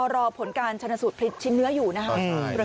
รอผลการชนะสูตรพลิกชิ้นเนื้ออยู่นะครับ